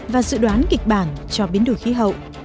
và dự đoán kịch bản cho biến đổi khí hậu